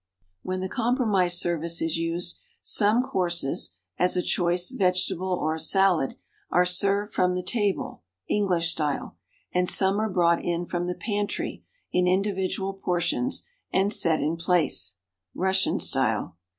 When the compromise service is used, some courses (as a choice vegetable or a salad) are served from the table (English style) and some are brought in from the pantry in individual portions and set in place (Russian style).